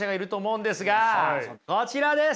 こちらです。